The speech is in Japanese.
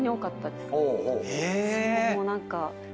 もう何か。